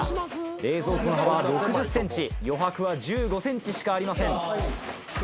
冷蔵庫の幅は６０ｃｍ余白は１５ｃｍしかありません。